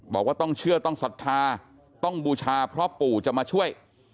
บอกว่าต้องเชื่อต้องศรัทธาต้องบูชาเพราะปู่จะมาช่วย